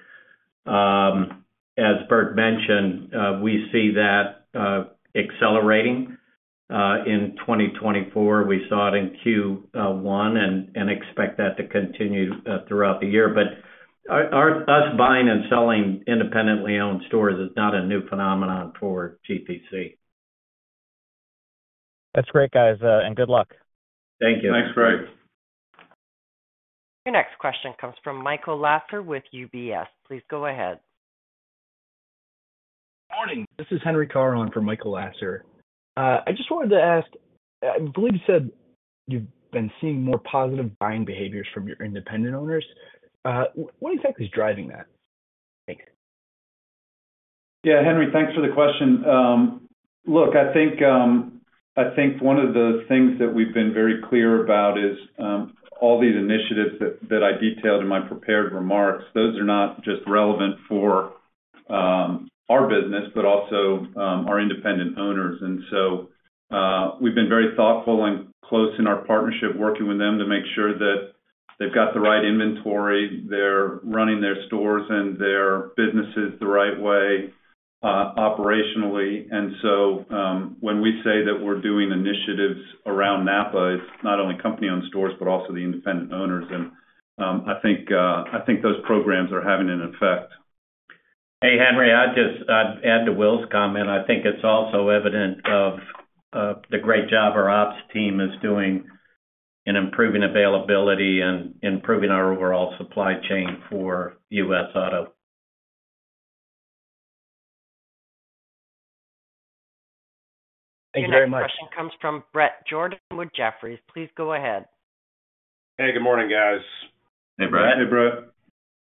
As Bert mentioned, we see that accelerating in 2024. We saw it in Q1 and expect that to continue throughout the year. But us buying and selling independently owned stores is not a new phenomenon for GPC. That's great, guys, and good luck. Thank you. Thanks, Greg. Your next question comes from Michael Lasser with UBS. Please go ahead. Morning! This is Henry Caron for Michael Lasser. I just wanted to ask, I believe you said you've been seeing more positive buying behaviors from your independent owners. What exactly is driving that? Thanks. Yeah, Henry, thanks for the question. Look, I think, I think one of the things that we've been very clear about is, all these initiatives that, that I detailed in my prepared remarks, those are not just relevant for, our business, but also, our independent owners. And so, we've been very thoughtful and close in our partnership, working with them to make sure that they've got the right inventory, they're running their stores and their businesses the right way, operationally. And so, when we say that we're doing initiatives around NAPA, it's not only company-owned stores, but also the independent owners. And, I think, I think those programs are having an effect. Hey, Henry, I'd just add to Will's comment. I think it's also evident of the great job our ops team is doing in improving availability and improving our overall supply chain for U.S. Auto. Thank you very much. Your next question comes from Bret Jordan with Jefferies. Please go ahead. Hey, good morning, guys. Hey, Bret. Hey, Bret.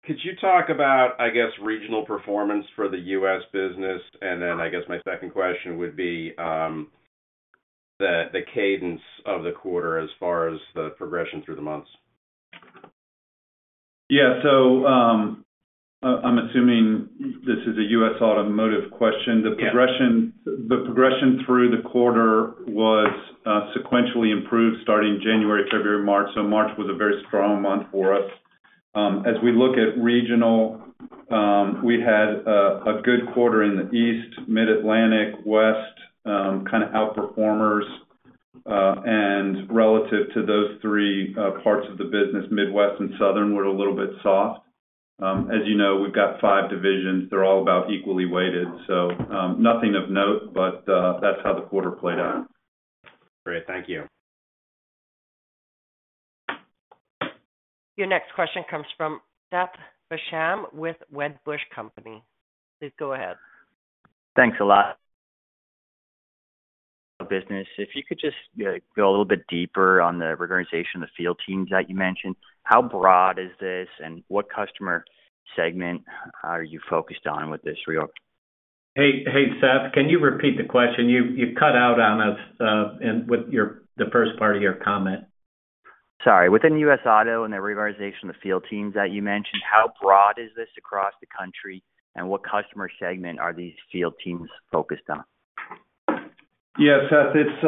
Could you talk about, I guess, regional performance for the U.S. business? And then I guess my second question would be the cadence of the quarter as far as the progression through the months? Yeah. So, I'm assuming this is a U.S. automotive question. Yeah. The progression, the progression through the quarter was sequentially improved, starting January, February, March, so March was a very strong month for us. As we look at regional, we had a good quarter in the East, Mid-Atlantic, West, kind of outperformers. And relative to those three, parts of the business, Midwest and Southern were a little bit soft. As you know, we've got five divisions. They're all about equally weighted, so, nothing of note, but that's how the quarter played out. Great. Thank you. Your next question comes from Seth Basham with Wedbush Securities. Please go ahead. Thanks a lot. If you could just go a little bit deeper on the reorganization of the field teams that you mentioned, how broad is this, and what customer segment are you focused on with this reorg? Hey, hey, Seth, can you repeat the question? You cut out on us in the first part of your comment. Sorry. Within the U.S. Auto and the reorganization of the field teams that you mentioned, how broad is this across the country, and what customer segment are these field teams focused on? Yeah, Seth, it's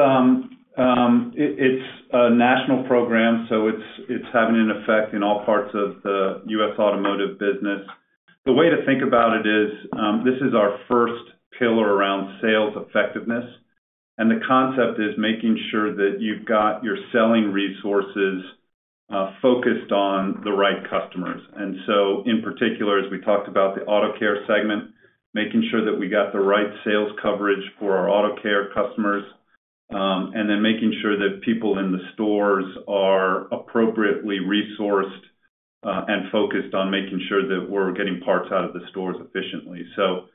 a national program, so it's having an effect in all parts of the U.S. Automotive business. The way to think about it is, this is our first pillar around sales effectiveness, and the concept is making sure that you've got your selling resources focused on the right customers. And so in particular, as we talked about the AutoCare segment, making sure that we got the right sales coverage for our AutoCare customers, and then making sure that people in the stores are appropriately resourced and focused on making sure that we're getting parts out of the stores efficiently. So,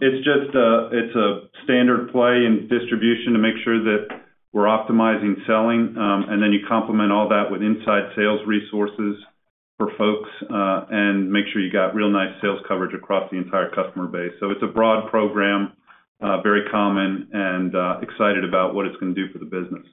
it's just a standard play in distribution to make sure that we're optimizing selling, and then you complement all that with inside sales resources for folks, and make sure you got real nice sales coverage across the entire customer base. So it's a broad program, very common and, excited about what it's gonna do for the business.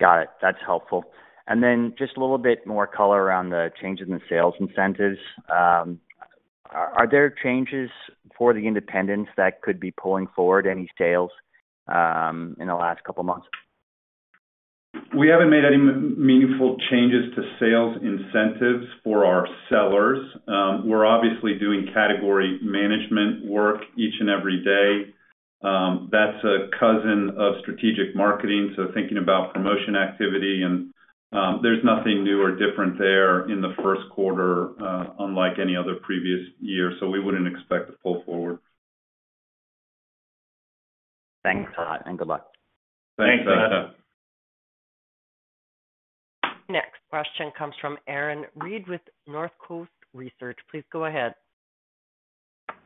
Got it. That's helpful. And then just a little bit more color around the changes in the sales incentives. Are there changes for the independents that could be pulling forward any sales in the last couple of months? We haven't made any meaningful changes to sales incentives for our sellers. We're obviously doing category management work each and every day. That's a cousin of strategic marketing, so thinking about promotion activity and, there's nothing new or different there in the first quarter, unlike any other previous year, so we wouldn't expect to pull forward. Thanks a lot, and good luck. Thanks, Seth. Next question comes from Aaron Reed with Northcoast Research. Please go ahead.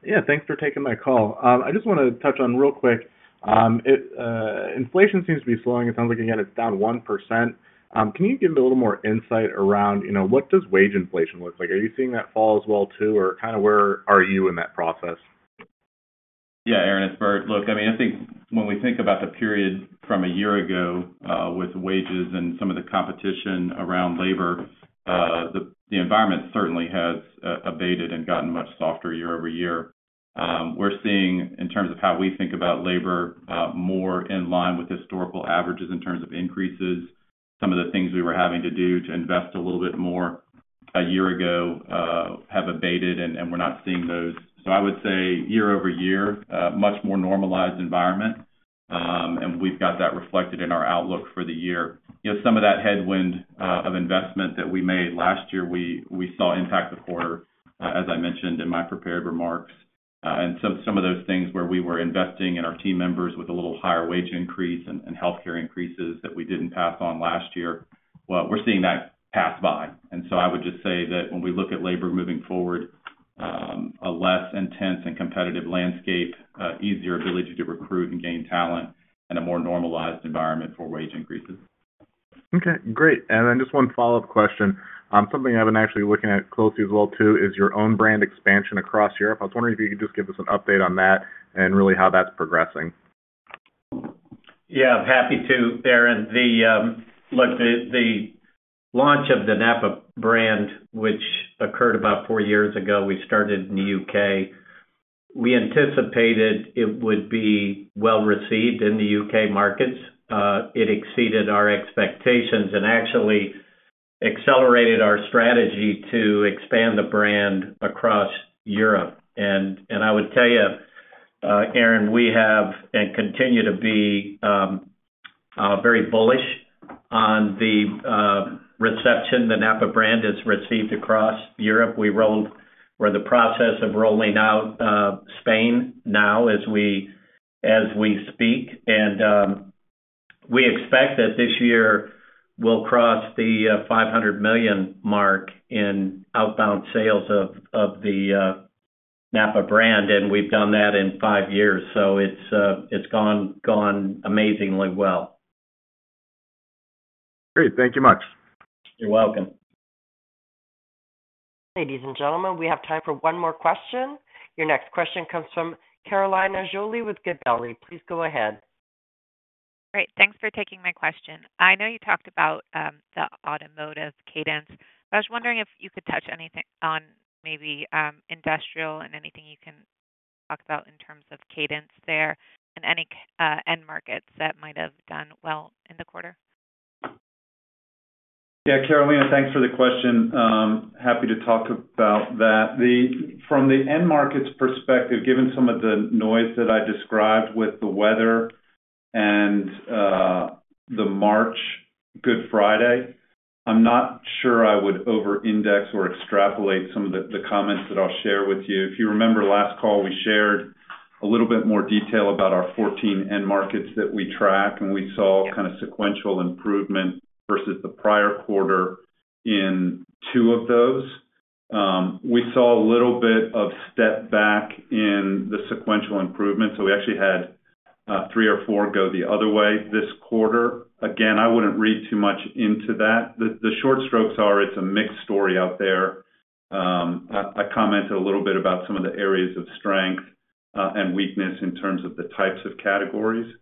Yeah, thanks for taking my call. I just wanted to touch on real quick, inflation seems to be slowing. It sounds like, again, it's down 1%. Can you give me a little more insight around, you know, what does wage inflation look like? Are you seeing that fall as well, too, or kind of where are you in that process? Yeah, Aaron, it's Bert. Look, I mean, I think when we think about the period from a year ago, with wages and some of the competition around labor, the environment certainly has abated and gotten much softer year-over-year. We're seeing, in terms of how we think about labor, more in line with historical averages in terms of increases. Some of the things we were having to do to invest a little bit more a year ago, have abated, and we're not seeing those. So I would say year-over-year, a much more normalized environment, and we've got that reflected in our outlook for the year. You know, some of that headwind of investment that we made last year, we saw impact the quarter, as I mentioned in my prepared remarks. And so some of those things where we were investing in our team members with a little higher wage increase and healthcare increases that we didn't pass on last year, well, we're seeing that pass by. And so I would just say that when we look at labor moving forward, a less intense and competitive landscape, easier ability to recruit and gain talent and a more normalized environment for wage increases. Okay, great. Then just one follow-up question. Something I've been actually looking at closely as well, too, is your own brand expansion across Europe. I was wondering if you could just give us an update on that and really how that's progressing. Yeah, happy to, Aaron. Look, the launch of the NAPA brand, which occurred about four years ago, we started in the U.K. We anticipated it would be well-received in the U.K. markets. It exceeded our expectations and actually accelerated our strategy to expand the brand across Europe. I would tell you, Aaron, we have and continue to be very bullish on the reception the NAPA brand has received across Europe. We're in the process of rolling out Spain now as we speak, and we expect that this year will cross the $500 million mark in outbound sales of the... NAPA brand, and we've done that in five years, so it's gone, gone amazingly well. Great. Thank you much. You're welcome. Ladies and gentlemen, we have time for one more question. Your next question comes from Carolyn Jolly with Gabelli Funds. Please go ahead. Great, thanks for taking my question. I know you talked about the automotive cadence, but I was wondering if you could touch anything on maybe industrial and anything you can talk about in terms of cadence there and any end markets that might have done well in the quarter? Yeah, Carolyn, thanks for the question. Happy to talk about that. From the end markets perspective, given some of the noise that I described with the weather and the March Good Friday, I'm not sure I would over-index or extrapolate some of the, the comments that I'll share with you. If you remember last call, we shared a little bit more detail about our 14 end markets that we track, and we saw kind of sequential improvement versus the prior quarter in two of those. We saw a little bit of step back in the sequential improvement, so we actually had three or four go the other way this quarter. Again, I wouldn't read too much into that. The, the short strokes are, it's a mixed story out there. I commented a little bit about some of the areas of strength and weakness in terms of the types of categories.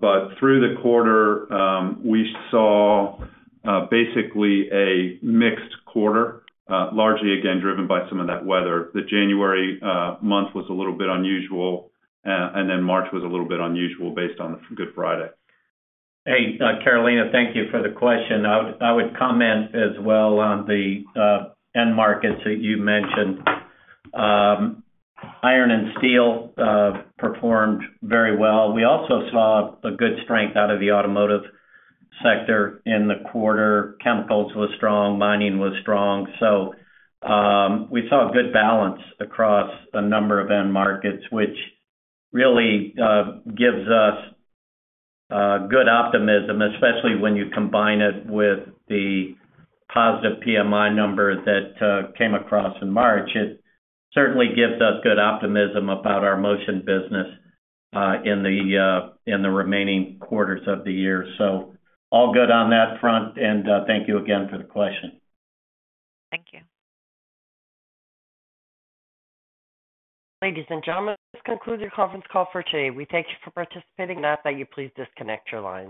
But through the quarter, we saw basically a mixed quarter, largely again, driven by some of that weather. The January month was a little bit unusual, and then March was a little bit unusual based on the Good Friday. Hey, Carolyn, thank you for the question. I would comment as well on the end markets that you mentioned. Iron and steel performed very well. We also saw a good strength out of the automotive sector in the quarter. Chemicals was strong, mining was strong. So, we saw a good balance across a number of end markets, which really gives us good optimism, especially when you combine it with the positive PMI number that came across in March. It certainly gives us good optimism about our Motion business in the remaining quarters of the year. So all good on that front, and thank you again for the question. Thank you. Ladies and gentlemen, this concludes your conference call for today. We thank you for participating, and I ask that you please disconnect your lines.